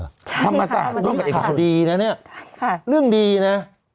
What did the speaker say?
ใช่ค่ะธรรมศาสตร์ด้วยกับเอกชนดีนะนี่เรื่องดีนะ